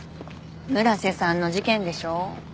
村瀬さんの事件でしょ？